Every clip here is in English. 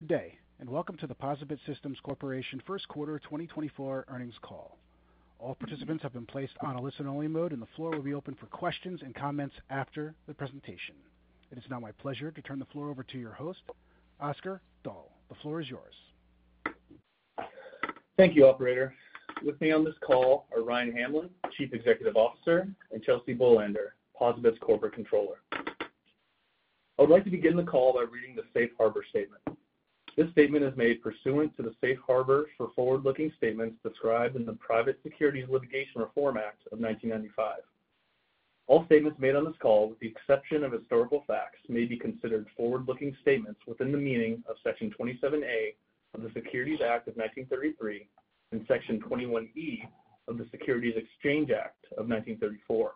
Good day, and welcome to the POSaBIT Systems Corporation First Quarter 2024 Earnings Call. All participants have been placed on a listen-only mode, and the floor will be open for questions and comments after the presentation. It is now my pleasure to turn the floor over to your host, Oscar Dahl. The floor is yours. Thank you, operator. With me on this call are Ryan Hamlin, Chief Executive Officer, and Chelsea Bolander, POSaBIT's Corporate Controller. I would like to begin the call by reading the Safe Harbor statement. This statement is made pursuant to the Safe Harbor for forward-looking statements described in the Private Securities Litigation Reform Act of 1995. All statements made on this call, with the exception of historical facts, may be considered forward-looking statements within the meaning of Section 27A of the Securities Act of 1933 and Section 21E of the Securities Exchange Act of 1934.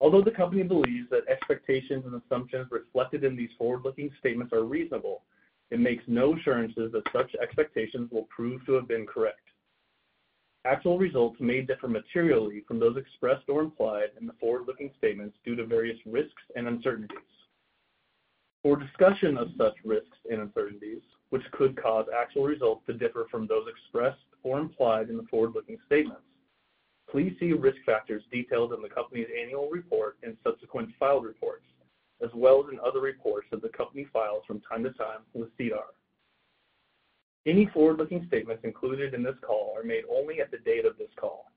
Although the company believes that expectations and assumptions reflected in these forward-looking statements are reasonable, it makes no assurances that such expectations will prove to have been correct. Actual results may differ materially from those expressed or implied in the forward-looking statements due to various risks and uncertainties. For discussion of such risks and uncertainties, which could cause actual results to differ from those expressed or implied in the forward-looking statements, please see risk factors detailed in the company's annual report and subsequent filed reports, as well as in other reports that the company files from time to time with SEDAR. Any forward-looking statements included in this call are made only at the date of this call.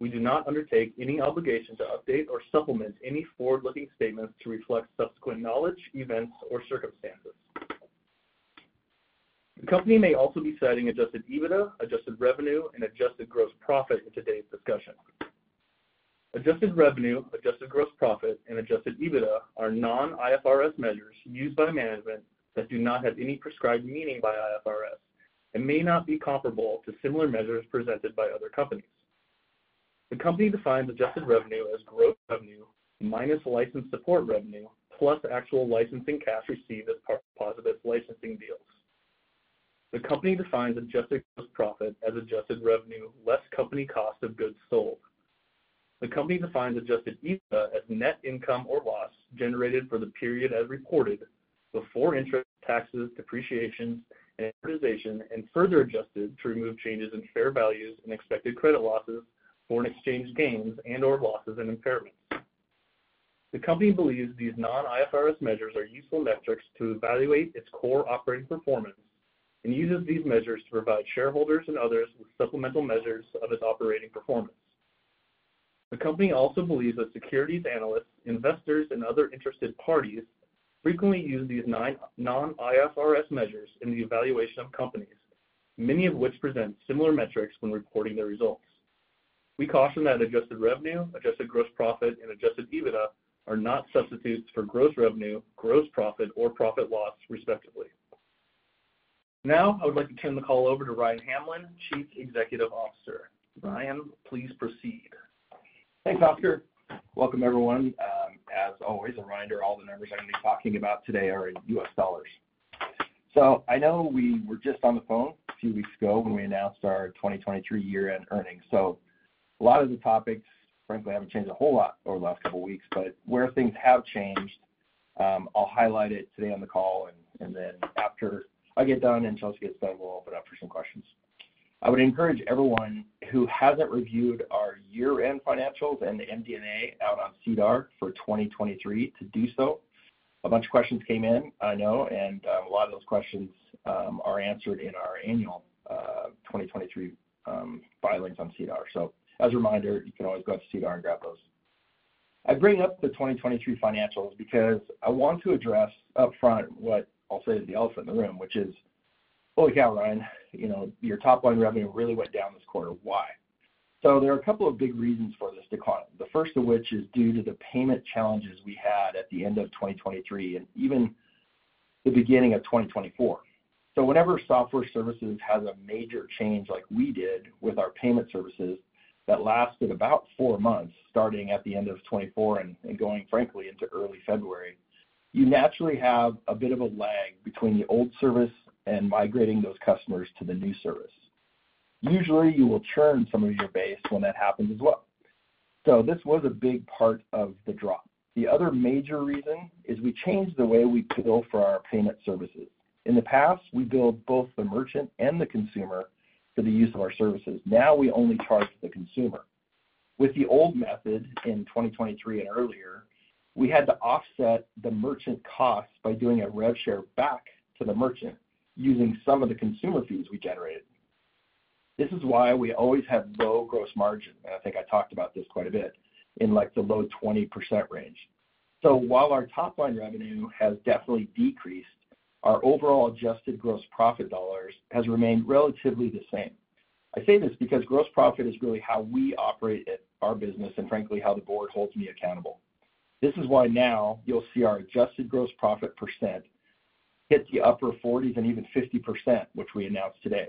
We do not undertake any obligation to update or supplement any forward-looking statements to reflect subsequent knowledge, events, or circumstances. The company may also be citing adjusted EBITDA, adjusted revenue, and adjusted gross profit in today's discussion. Adjusted revenue, adjusted gross profit, and adjusted EBITDA are non-IFRS measures used by management that do not have any prescribed meaning by IFRS and may not be comparable to similar measures presented by other companies. The company defines adjusted revenue as gross revenue minus license support revenue, plus actual licensing cash received as part of POSaBIT's licensing deals. The company defines adjusted gross profit as adjusted revenue less company cost of goods sold. The company defines adjusted EBITDA as net income or loss generated for the period as reported before interest, taxes, depreciation, and amortization, and further adjusted to remove changes in fair values and expected credit losses, foreign exchange gains and/or losses, and impairments. The company believes these non-IFRS measures are useful metrics to evaluate its core operating performance and uses these measures to provide shareholders and others with supplemental measures of its operating performance. The company also believes that securities, analysts, investors, and other interested parties frequently use these non-IFRS measures in the evaluation of companies, many of which present similar metrics when reporting their results. We caution that adjusted revenue, adjusted gross profit, and adjusted EBITDA are not substitutes for gross revenue, gross profit, or profit loss, respectively. Now, I would like to turn the call over to Ryan Hamlin, Chief Executive Officer. Ryan, please proceed. Thanks, Oscar. Welcome, everyone. As always, a reminder, all the numbers I'm going to be talking about today are in U.S. dollars. So I know we were just on the phone a few weeks ago when we announced our 2023 year-end earnings. So a lot of the topics, frankly, haven't changed a whole lot over the last couple of weeks, but where things have changed, I'll highlight it today on the call, and then after I get done and Chelsea gets done, we'll open up for some questions. I would encourage everyone who hasn't reviewed our year-end financials and the MD&A out on SEDAR+ for 2023 to do so. A bunch of questions came in, I know, and a lot of those questions are answered in our annual 2023 filings on SEDAR+. So as a reminder, you can always go out to SEDAR+ and grab those. I bring up the 2023 financials because I want to address upfront what I'll say is the elephant in the room, which is, "Holy cow, Ryan, you know, your top line revenue really went down this quarter. Why?" So there are a couple of big reasons for this decline. The first of which is due to the payment challenges we had at the end of 2023 and even the beginning of 2024. So whenever software services has a major change like we did with our payment services, that lasted about four months, starting at the end of 2024 and going, frankly, into early February, you naturally have a bit of a lag between the old service and migrating those customers to the new service. Usually, you will churn some of your base when that happens as well. So this was a big part of the drop. The other major reason is we changed the way we bill for our payment services. In the past, we billed both the merchant and the consumer for the use of our services. Now, we only charge the consumer. With the old method in 2023 and earlier, we had to offset the merchant costs by doing a rev share back to the merchant, using some of the consumer fees we generated. This is why we always have low gross margin, and I think I talked about this quite a bit, in like the low 20% range. So while our top-line revenue has definitely decreased, our overall adjusted gross profit dollars has remained relatively the same. I say this because gross profit is really how we operate at our business and frankly, how the board holds me accountable. This is why now you'll see our adjusted gross profit percent hit the upper 40s and even 50%, which we announced today,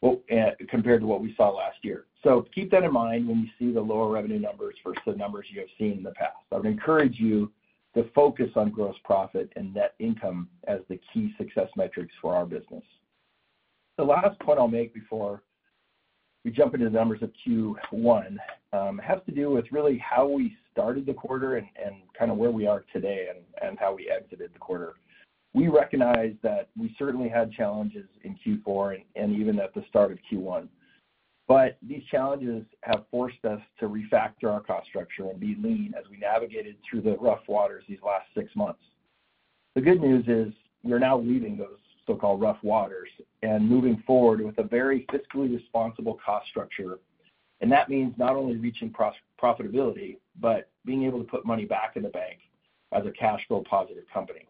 well, compared to what we saw last year. So keep that in mind when you see the lower revenue numbers versus the numbers you have seen in the past. I would encourage you to focus on gross profit and net income as the key success metrics for our business. The last point I'll make before we jump into the numbers of Q1 has to do with really how we started the quarter and kind of where we are today and how we exited the quarter. We recognize that we certainly had challenges in Q4 and even at the start of Q1. But these challenges have forced us to refactor our cost structure and be lean as we navigated through the rough waters these last six months. The good news is, we're now leaving those so-called rough waters and moving forward with a very fiscally responsible cost structure, and that means not only reaching profitability, but being able to put money back in the bank as a cash flow positive company.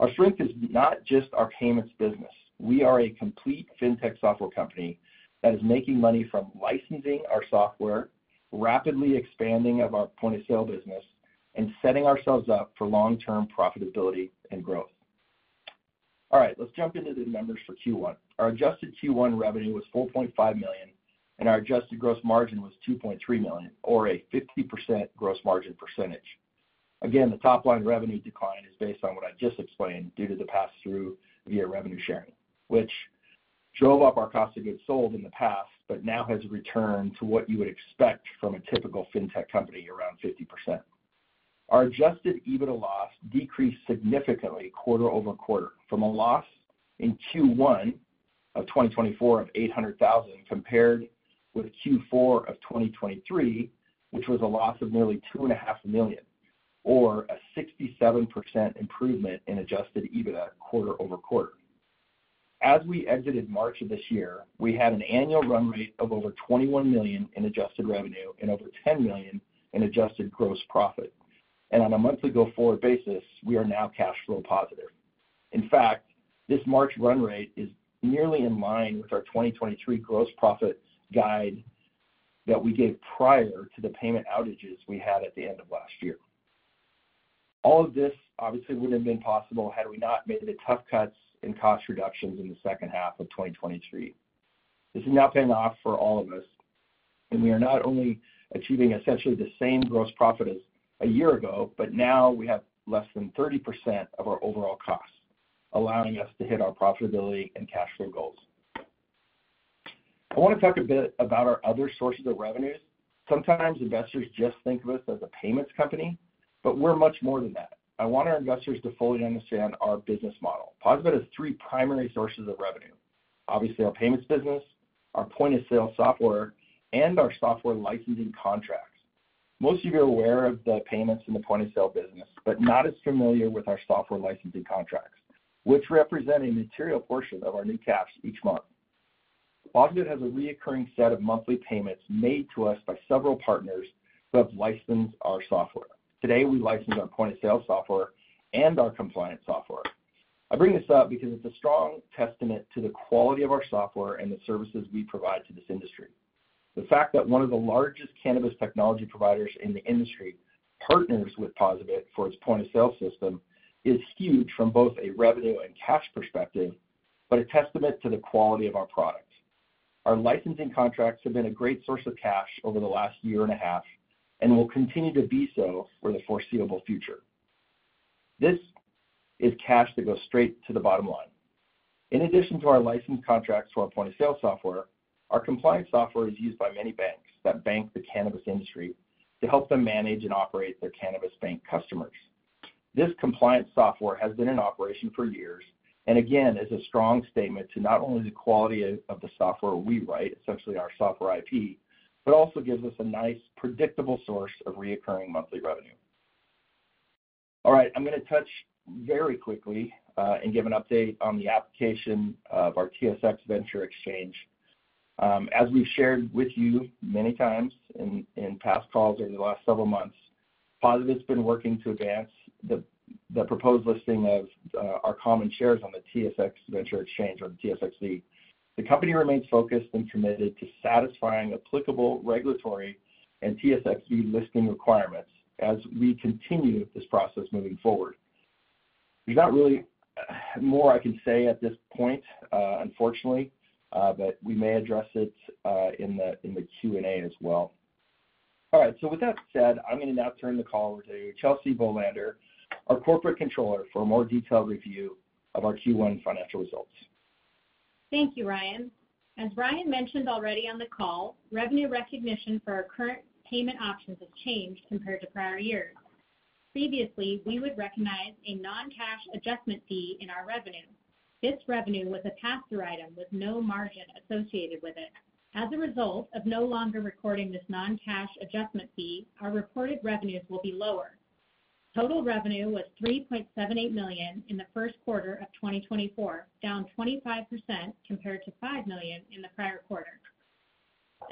Our strength is not just our payments business. We are a complete fintech software company that is making money from licensing our software, rapidly expanding our point-of-sale business, and setting ourselves up for long-term profitability and growth. All right, let's jump into the numbers for Q1. Our adjusted Q1 revenue was $4.5 million, and our adjusted gross margin was $2.3 million, or a 50% gross margin percentage. Again, the top-line revenue decline is based on what I just explained due to the pass-through via revenue sharing, which drove up our cost of goods sold in the past, but now has returned to what you would expect from a typical fintech company, around 50%. Our adjusted EBITDA loss decreased significantly quarter-over-quarter, from a loss in Q1 of 2024 of $800,000, compared with Q4 of 2023, which was a loss of nearly $2.5 million, or a 67% improvement in adjusted EBITDA quarter-over-quarter. As we exited March of this year, we had an annual run rate of over $21 million in adjusted revenue and over $10 million in adjusted gross profit. On a monthly go-forward basis, we are now cash flow positive. In fact, this March run rate is nearly in line with our 2023 gross profit guide that we gave prior to the payment outages we had at the end of last year. All of this obviously wouldn't have been possible had we not made the tough cuts and cost reductions in the second half of 2023. This has now paid off for all of us, and we are not only achieving essentially the same gross profit as a year ago, but now we have less than 30% of our overall costs, allowing us to hit our profitability and cash flow goals. I want to talk a bit about our other sources of revenues. Sometimes investors just think of us as a payments company, but we're much more than that. I want our investors to fully understand our business model. POSaBIT has three primary sources of revenue: obviously, our payments business, our point-of-sale software, and our software licensing contracts. Most of you are aware of the payments in the point-of-sale business, but not as familiar with our software licensing contracts, which represent a material portion of our new cash each month. POSaBIT has a recurring set of monthly payments made to us by several partners that have licensed our software. Today, we license our point-of-sale software and our compliance software. I bring this up because it's a strong testament to the quality of our software and the services we provide to this industry. The fact that one of the largest cannabis technology providers in the industry partners with POSaBIT for its point-of-sale system is huge from both a revenue and cash perspective, but a testament to the quality of our products. Our licensing contracts have been a great source of cash over the last year and a half and will continue to be so for the foreseeable future. This is cash that goes straight to the bottom line. In addition to our license contracts for our point-of-sale software, our compliance software is used by many banks that bank the cannabis industry to help them manage and operate their cannabis bank customers. This compliance software has been in operation for years, and again, is a strong statement to not only the quality of the software we write, essentially our software IP, but also gives us a nice, predictable source of recurring monthly revenue. All right. I'm going to touch very quickly and give an update on the application of our TSX Venture Exchange. As we've shared with you many times in past calls over the last several months, POSaBIT's been working to advance the proposed listing of our common shares on the TSX Venture Exchange or the TSXV. The company remains focused and committed to satisfying applicable regulatory and TSXV listing requirements as we continue this process moving forward. We've not really more I can say at this point, unfortunately, but we may address it in the Q&A as well. All right. With that said, I'm going to now turn the call over to Chelsea Bolander, our Corporate Controller, for a more detailed review of our Q1 financial results. Thank you, Ryan. As Ryan mentioned already on the call, revenue recognition for our current payment options has changed compared to prior years. Previously, we would recognize a non-cash adjustment fee in our revenue. This revenue was a pass-through item with no margin associated with it. As a result of no longer recording this non-cash adjustment fee, our reported revenues will be lower. Total revenue was $3.78 million in the first quarter of 2024, down 25% compared to $5 million in the prior quarter.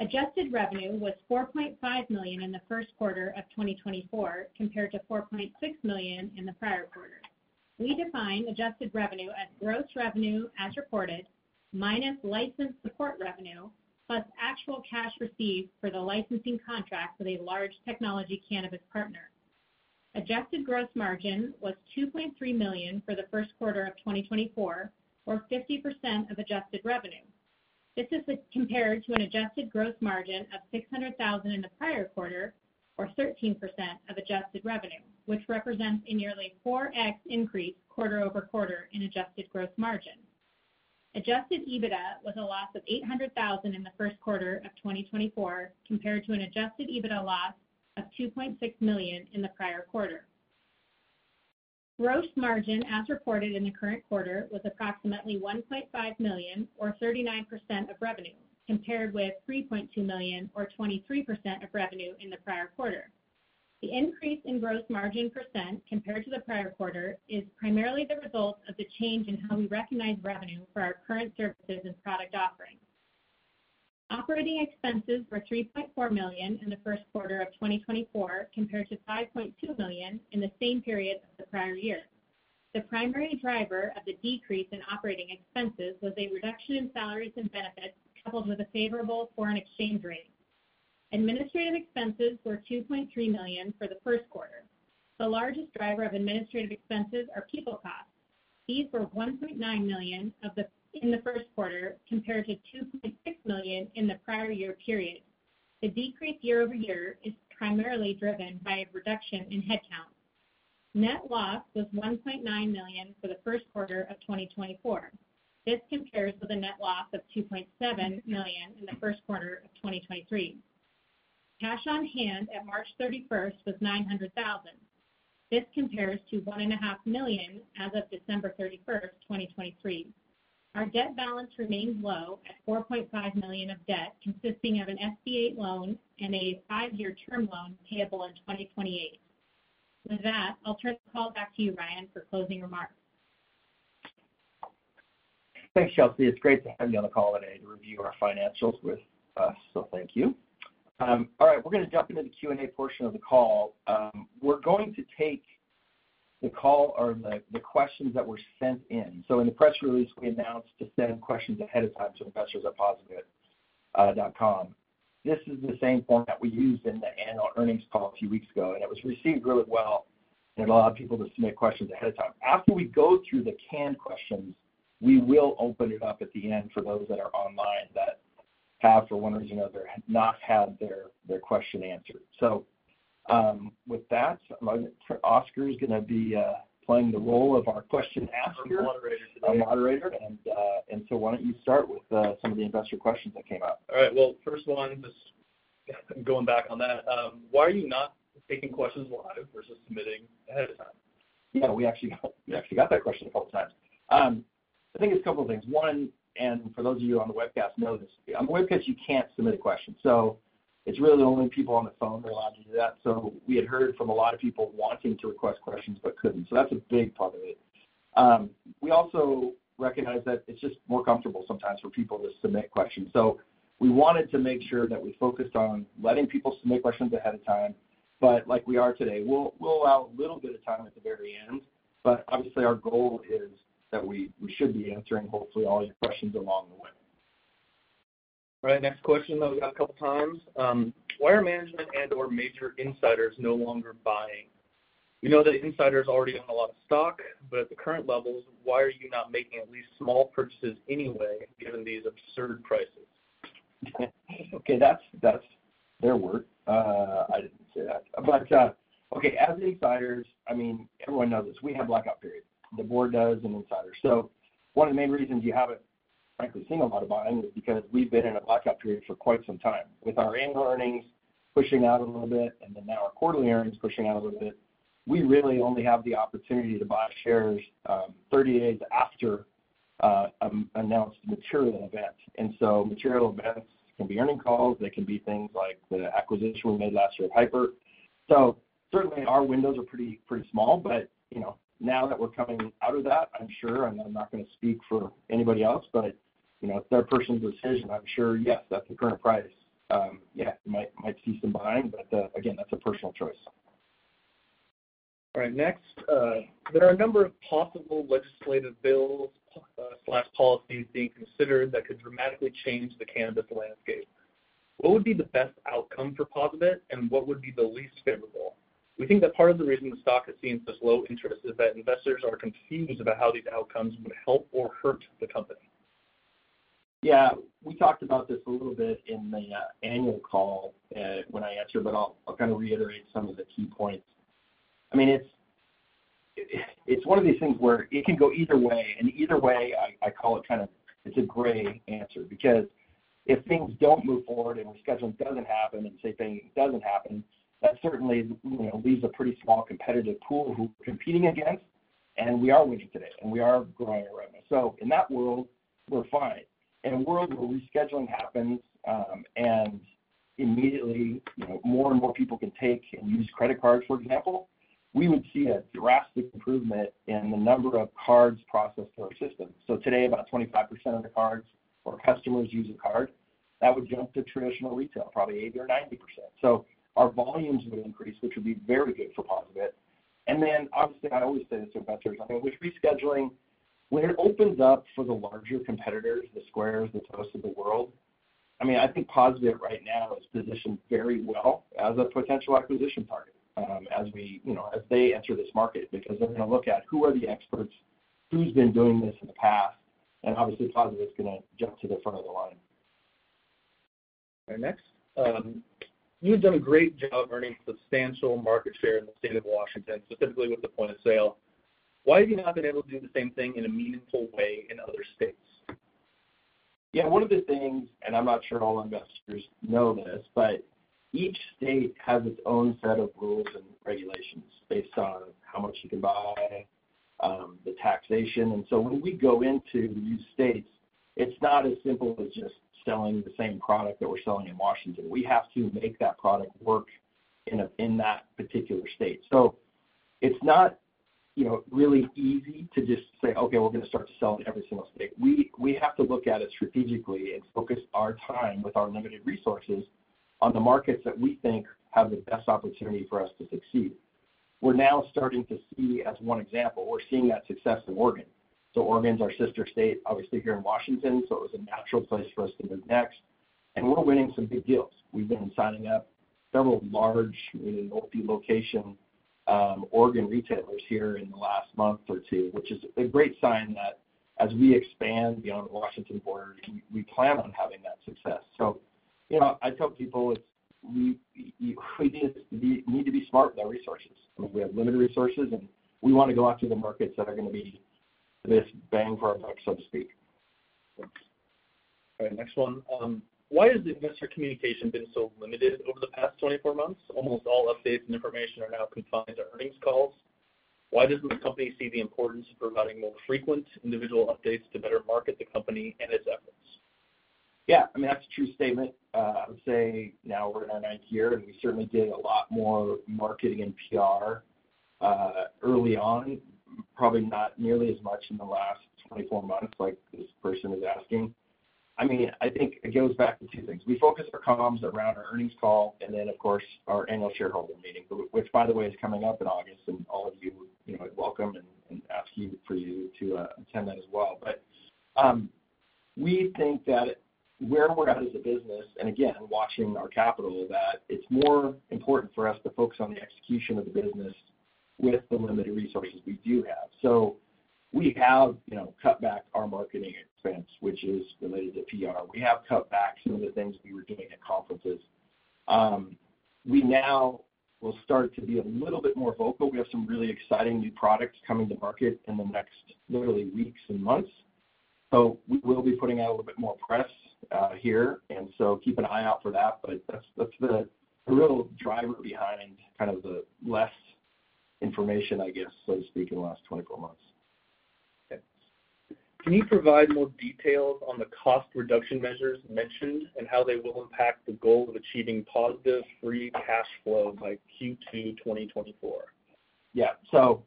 Adjusted revenue was $4.5 million in the first quarter of 2024, compared to $4.6 million in the prior quarter. We define adjusted revenue as gross revenue as reported, minus license support revenue, plus actual cash received for the licensing contract with a large technology cannabis partner. Adjusted gross margin was $2.3 million for the first quarter of 2024, or 50% of adjusted revenue. This is compared to an adjusted gross margin of $600,000 in the prior quarter, or 13% of adjusted revenue, which represents a nearly 4x increase quarter-over-quarter in adjusted gross margin.... Adjusted EBITDA was a loss of $800,000 in the first quarter of 2024, compared to an adjusted EBITDA loss of $2.6 million in the prior quarter. Gross margin, as reported in the current quarter, was approximately $1.5 million, or 39% of revenue, compared with $3.2 million or 23% of revenue in the prior quarter. The increase in gross margin % compared to the prior quarter is primarily the result of the change in how we recognize revenue for our current services and product offerings. Operating expenses were $3.4 million in the first quarter of 2024, compared to $5.2 million in the same period of the prior year. The primary driver of the decrease in operating expenses was a reduction in salaries and benefits, coupled with a favorable foreign exchange rate. Administrative expenses were $2.3 million for the first quarter. The largest driver of administrative expenses are people costs. These were $1.9 million in the first quarter, compared to $2.6 million in the prior year period. The decrease year-over-year is primarily driven by a reduction in headcount. Net loss was $1.9 million for the first quarter of 2024. This compares with a net loss of $2.7 million in the first quarter of 2023. Cash on hand at March 31st was $900,000. This compares to $1.5 million as of December 31st, 2023. Our debt balance remains low at $4.5 million of debt, consisting of an SBA loan and a five-year term loan payable in 2028. With that, I'll turn the call back to you, Ryan, for closing remarks. Thanks, Chelsea. It's great to have you on the call today to review our financials with us. So thank you. All right, we're gonna jump into the Q&A portion of the call. We're going to take the call or the questions that were sent in. So in the press release, we announced to send questions ahead of time to investors at posabit.com. This is the same form that we used in the annual earnings call a few weeks ago, and it was received really well. It allowed people to submit questions ahead of time. After we go through the canned questions, we will open it up at the end for those that are online that have, for one reason or another, not had their question answered. So, with that, Oscar is gonna be playing the role of our question asker- Our moderator today. our moderator. And, and so why don't you start with, some of the investor questions that came up? All right. Well, first one, just going back on that, why are you not taking questions live versus submitting ahead of time? Yeah, we actually, we actually got that question a couple times. I think it's a couple of things. One, and for those of you on the webcast know this, on the webcast, you can't submit a question, so it's really the only people on the phone that are allowed to do that. So we had heard from a lot of people wanting to request questions but couldn't. So that's a big part of it. We also recognize that it's just more comfortable sometimes for people to submit questions. So we wanted to make sure that we focused on letting people submit questions ahead of time, but like we are today, we'll, we'll allow a little bit of time at the very end. But obviously, our goal is that we, we should be answering, hopefully, all your questions along the way. All right, next question that we got a couple times. Why are management and/or major insiders no longer buying? We know that insiders already own a lot of stock, but at the current levels, why are you not making at least small purchases anyway, given these absurd prices? Okay, that's, that's their word. I didn't say that. But, okay, as insiders, I mean, everyone knows this. We have blackout periods, the board does, and insiders. So one of the main reasons you haven't frankly seen a lot of buying is because we've been in a blackout period for quite some time. With our annual earnings pushing out a little bit, and then now our quarterly earnings pushing out a little bit, we really only have the opportunity to buy shares, 30 days after, an announced material event. And so material events can be earning calls, they can be things like the acquisition we made last year with Hypur. So certainly, our windows are pretty, pretty small, but, you know, now that we're coming out of that, I'm sure, and I'm not gonna speak for anybody else, but, you know, it's their personal decision. I'm sure, yes, at the current price, yeah, you might see some buying, but, again, that's a personal choice. All right. Next, there are a number of possible legislative bills, slash policies being considered that could dramatically change the cannabis landscape. What would be the best outcome for POSaBIT, and what would be the least favorable? We think that part of the reason the stock has seen such low interest is that investors are confused about how these outcomes would help or hurt the company. Yeah, we talked about this a little bit in the annual call when I answered, but I'll, I'll kind of reiterate some of the key points. I mean, it's, it, it's one of these things where it can go either way, and either way, I, I call it kind of it's a gray answer. Because if things don't move forward and rescheduling doesn't happen, and SAFE Banking doesn't happen, that certainly, you know, leaves a pretty small competitive pool who we're competing against, and we are winning today, and we are growing our revenue. So in that world, we're fine. In a world where rescheduling happens, and immediately, you know, more and more people can take and use credit cards, for example, we would see a drastic improvement in the number of cards processed through our system. So today, about 25% of the cards or customers use a card. That would jump to traditional retail, probably 80% or 90%. So our volumes would increase, which would be very good for POSaBIT. And then, obviously, I always say this to investors, I mean, with rescheduling, when it opens up for the larger competitors, the Square, the Toast of the world, I mean, I think POSaBIT right now is positioned very well as a potential acquisition target, you know, as they enter this market, because they're gonna look at who are the experts, who's been doing this in the past, and obviously, POSaBIT is gonna jump to the front of the line. ...Next, you've done a great job earning substantial market share in the state of Washington, specifically with the point of sale. Why have you not been able to do the same thing in a meaningful way in other states? Yeah, one of the things, and I'm not sure all investors know this, but each state has its own set of rules and regulations based on how much you can buy, the taxation. And so when we go into new states, it's not as simple as just selling the same product that we're selling in Washington. We have to make that product work in that particular state. So it's not, you know, really easy to just say, "Okay, we're gonna start to sell in every single state." We have to look at it strategically and focus our time with our limited resources on the markets that we think have the best opportunity for us to succeed. We're now starting to see, as one example, we're seeing that success in Oregon. So Oregon's our sister state, obviously, here in Washington, so it was a natural place for us to move next, and we're winning some big deals. We've been signing up several large multi-location Oregon retailers here in the last month or two, which is a great sign that as we expand beyond the Washington border, we plan on having that success. So, you know, I tell people it's we need to be smart with our resources. I mean, we have limited resources, and we want to go after the markets that are gonna be this bang for our buck, so to speak. All right, next one. Why has the investor communication been so limited over the past 24 months? Almost all updates and information are now confined to earnings calls. Why doesn't the company see the importance of providing more frequent individual updates to better market the company and its efforts? Yeah, I mean, that's a true statement. I would say now we're in our ninth year, and we certainly did a lot more marketing and PR early on, probably not nearly as much in the last 24 months, like this person is asking. I mean, I think it goes back to two things. We focus our comms around our earnings call and then, of course, our annual shareholder meeting, which, by the way, is coming up in August, and all of you, you know, are welcome to attend that as well. But we think that where we're at as a business, and again, watching our capital, that it's more important for us to focus on the execution of the business with the limited resources we do have. So we have, you know, cut back our marketing expense, which is related to PR. We have cut back some of the things we were doing at conferences. We now will start to be a little bit more vocal. We have some really exciting new products coming to market in the next literally weeks and months, so we will be putting out a little bit more press here, and so keep an eye out for that. But that's, that's the real driver behind kind of the less information, I guess, so to speak, in the last 24 months. Okay. Can you provide more details on the cost reduction measures mentioned and how they will impact the goal of achieving positive free cash flow by Q2 2024? Yeah. So,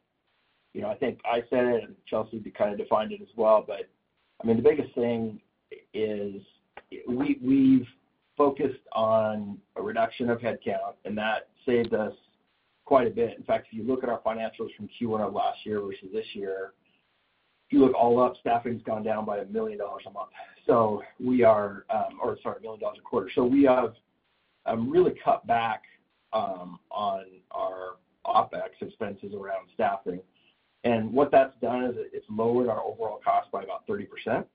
you know, I think I said it, and Chelsea kind of defined it as well, but, I mean, the biggest thing is we, we've focused on a reduction of headcount, and that saved us quite a bit. In fact, if you look at our financials from Q1 of last year versus this year, if you look all up, staffing's gone down by $1 million a month. So we are... Or sorry, $1 million a quarter. So we have really cut back on our OpEx expenses around staffing. And what that's done is it's lowered our overall cost by about 30%.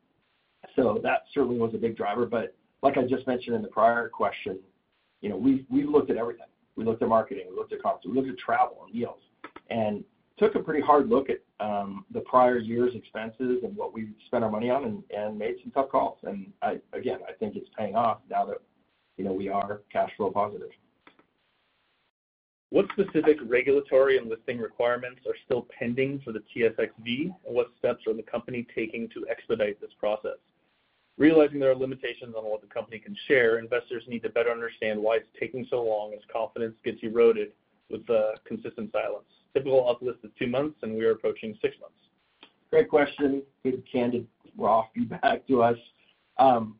So that certainly was a big driver, but like I just mentioned in the prior question, you know, we, we looked at everything. We looked at marketing, we looked at comps, we looked at travel and deals, and took a pretty hard look at the prior year's expenses and what we spent our money on and made some tough calls. Again, I think it's paying off now that, you know, we are cash flow positive. What specific regulatory and listing requirements are still pending for the TSXV, and what steps are the company taking to expedite this process? Realizing there are limitations on what the company can share, investors need to better understand why it's taking so long as confidence gets eroded with the consistent silence. Typical uplist is two months, and we are approaching six months. Great question. Good, candid, raw feedback to us.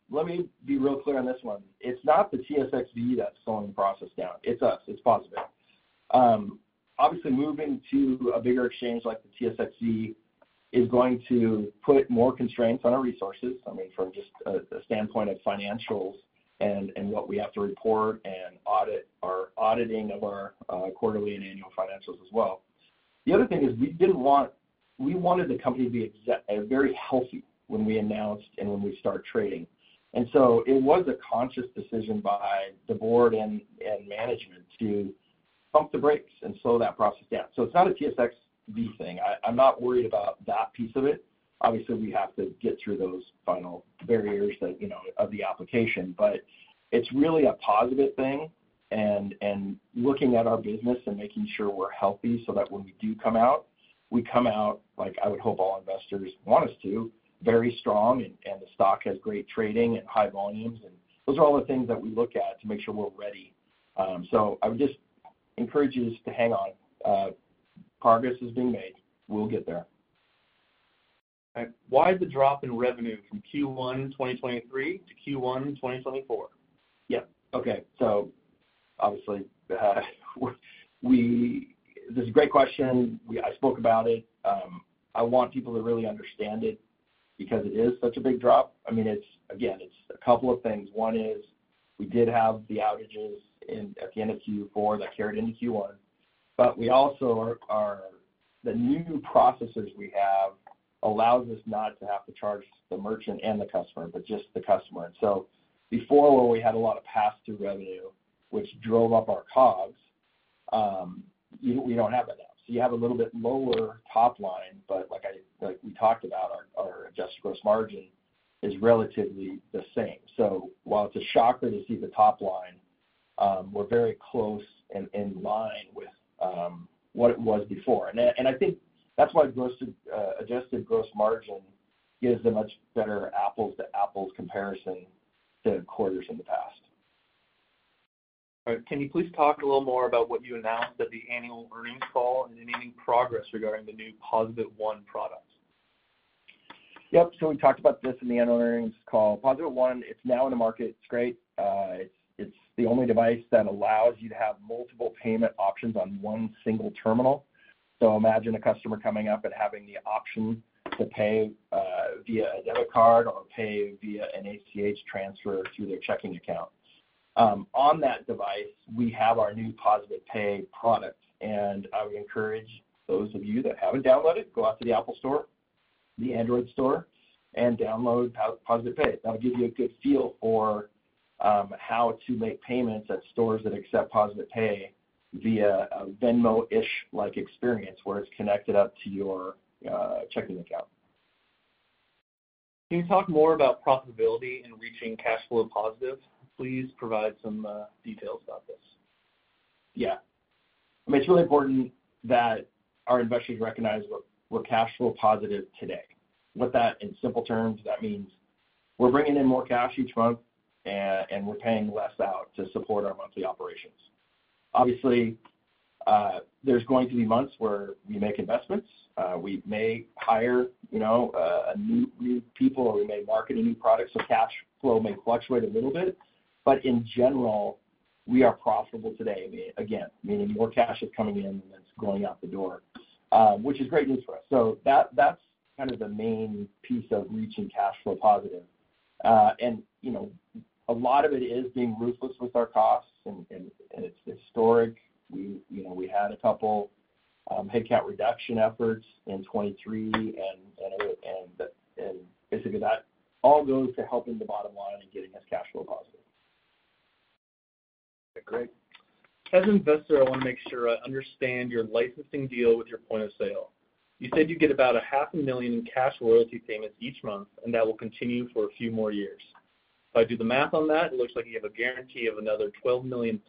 Let me be real clear on this one. It's not the TSXV that's slowing the process down, it's us, it's POSaBIT. Obviously, moving to a bigger exchange like the TSXV is going to put more constraints on our resources, I mean, from just a standpoint of financials and what we have to report and audit our auditing of our quarterly and annual financials as well. The other thing is we didn't want—we wanted the company to be very healthy when we announced and when we start trading. And so it was a conscious decision by the board and management to pump the brakes and slow that process down. So it's not a TSXV thing. I, I'm not worried about that piece of it. Obviously, we have to get through those final barriers that, you know, of the application, but it's really a positive thing and looking at our business and making sure we're healthy so that when we do come out, we come out, like I would hope all investors want us to, very strong, and the stock has great trading and high volumes, and those are all the things that we look at to make sure we're ready. So I would just encourage you just to hang on. Progress is being made. We'll get there. All right. Why the drop in revenue from Q1 2023 to Q1 2024? Yeah. Okay. So obviously, this is a great question. I spoke about it. I want people to really understand it because it is such a big drop. I mean, it's again, it's a couple of things. One is, we did have the outages in at the end of Q4 that carried into Q1. But we also are, the new processes we have allows us not to have to charge the merchant and the customer, but just the customer. And so before, where we had a lot of pass-through revenue, which drove up our COGS, we don't have that now. So you have a little bit lower top line, but like like we talked about, our adjusted gross margin is relatively the same. So while it's a shocker to see the top line, we're very close and in line with what it was before. And I think that's why gross adjusted gross margin gives a much better apples-to-apples comparison to quarters in the past. All right. Can you please talk a little more about what you announced at the annual earnings call and any progress regarding the new POSaBIT One product? Yep. So we talked about this in the annual earnings call. POSaBIT One, it's now in the market. It's great. It's the only device that allows you to have multiple payment options on one single terminal. So imagine a customer coming up and having the option to pay via a debit card or pay via an ACH transfer through their checking account. On that device, we have our new POSaBIT Pay product, and I would encourage those of you that haven't downloaded, go out to the Apple Store, the Android Store, and download POSaBIT Pay. That'll give you a good feel for how to make payments at stores that accept POSaBIT Pay via a Venmo-ish like experience, where it's connected up to your checking account. Can you talk more about profitability and reaching cash flow positive? Please provide some details about this. Yeah. I mean, it's really important that our investors recognize we're cash flow positive today. With that, in simple terms, that means we're bringing in more cash each month, and we're paying less out to support our monthly operations. Obviously, there's going to be months where we make investments. We may hire, you know, new people, or we may market a new product, so cash flow may fluctuate a little bit. But in general, we are profitable today. Again, meaning more cash is coming in than it's going out the door, which is great news for us. So that's kind of the main piece of reaching cash flow positive. And, you know, a lot of it is being ruthless with our costs, and it's historic. We, you know, we had a couple headcount reduction efforts in 2023, and basically, that all goes to helping the bottom line and getting us cash flow positive. Great. As an investor, I wanna make sure I understand your licensing deal with your Point of Sale. You said you get about $500,000 in cash royalty payments each month, and that will continue for a few more years. If I do the math on that, it looks like you have a guarantee of another $12 million+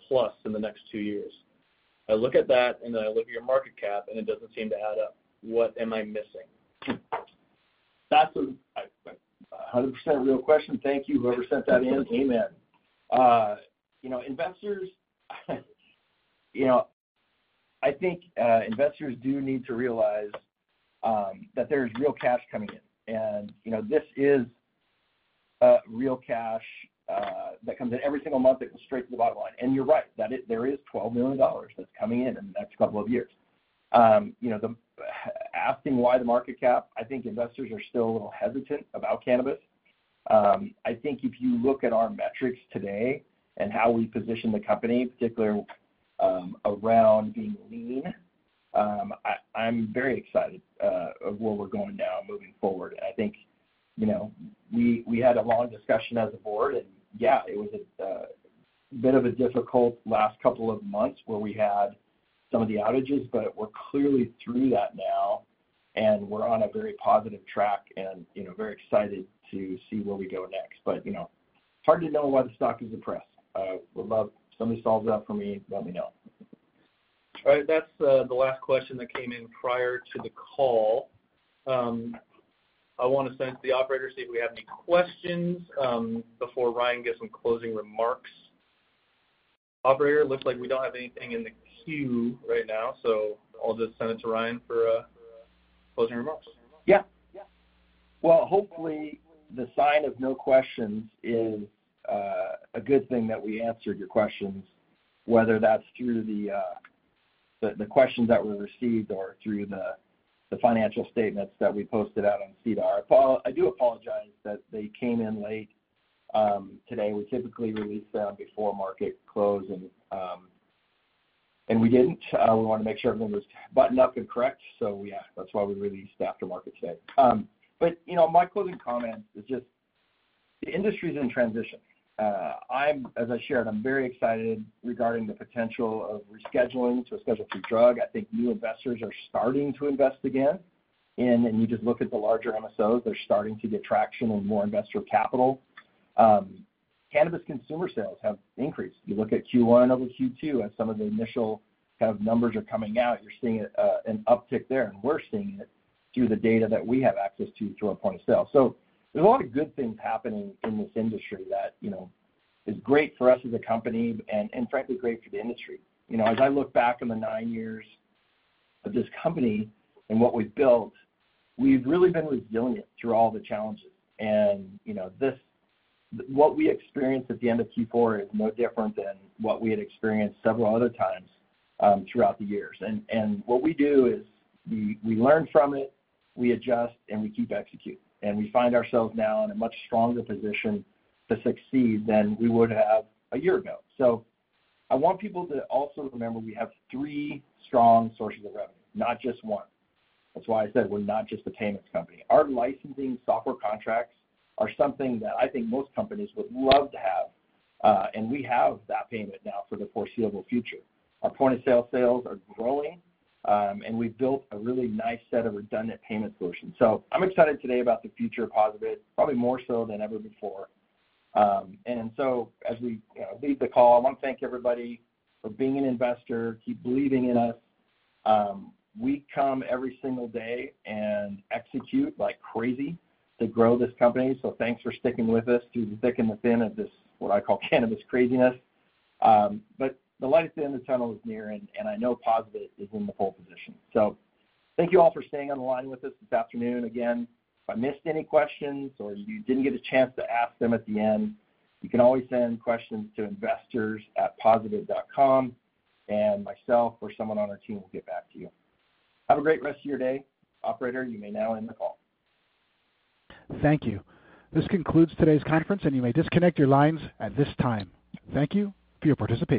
in the next two years. I look at that, and then I look at your market cap, and it doesn't seem to add up. What am I missing? That's a hundred percent real question. Thank you, whoever sent that in. Amen. You know, investors, you know, I think, investors do need to realize, that there's real cash coming in. And, you know, this is, real cash, that comes in every single month that goes straight to the bottom line. And you're right, that is-- there is $12 million that's coming in in the next couple of years. You know, the -- asking why the market cap, I think investors are still a little hesitant about cannabis. I think if you look at our metrics today and how we position the company, particularly, around being lean, I'm very excited, of where we're going now moving forward. I think, you know, we had a long discussion as a board, and yeah, it was a bit of a difficult last couple of months where we had some of the outages, but we're clearly through that now, and we're on a very positive track and, you know, very excited to see where we go next. But, you know, hard to know why the stock is depressed. Would love somebody solves that for me, let me know. All right. That's the last question that came in prior to the call. I wanna thank the operator to see if we have any questions, before Ryan gives some closing remarks. Operator, it looks like we don't have anything in the queue right now, so I'll just send it to Ryan for closing remarks. Yeah. Well, hopefully, the sign of no questions is a good thing that we answered your questions, whether that's through the questions that were received or through the financial statements that we posted out on SEDAR. I do apologize that they came in late today. We typically release them before market close, and we didn't. We wanna make sure everything was buttoned up and correct, so yeah, that's why we released after market today. But, you know, my closing comment is just, the industry's in transition. I'm, as I shared, I'm very excited regarding the potential of rescheduling to a Schedule Two drug. I think new investors are starting to invest again, and then you just look at the larger MSOs, they're starting to get traction and more investor capital. Cannabis consumer sales have increased. You look at Q1 over Q2, as some of the initial kind of numbers are coming out, you're seeing an uptick there. And we're seeing it through the data that we have access to through our point of sale. So there's a lot of good things happening in this industry that, you know, is great for us as a company and frankly, great for the industry. You know, as I look back on the nine years of this company and what we've built, we've really been resilient through all the challenges. And, you know, this, what we experienced at the end of Q4 is no different than what we had experienced several other times throughout the years. And what we do is we learn from it, we adjust, and we keep executing. We find ourselves now in a much stronger position to succeed than we would have a year ago. I want people to also remember we have three strong sources of revenue, not just one. That's why I said we're not just a payments company. Our licensing software contracts are something that I think most companies would love to have, and we have that payment now for the foreseeable future. Our point of sale sales are growing, and we've built a really nice set of redundant payment solutions. I'm excited today about the future of POSaBIT, probably more so than ever before. And so as we, you know, leave the call, I wanna thank everybody for being an investor. Keep believing in us. We come every single day and execute like crazy to grow this company, so thanks for sticking with us through the thick and the thin of this, what I call cannabis craziness. But the light at the end of the tunnel is near, and, and I know POSaBIT is in the pole position. So thank you all for staying on the line with us this afternoon. Again, if I missed any questions or you didn't get a chance to ask them at the end, you can always send questions to investors@posabit.com, and myself or someone on our team will get back to you. Have a great rest of your day. Operator, you may now end the call. Thank you. This concludes today's conference, and you may disconnect your lines at this time. Thank you for your participation.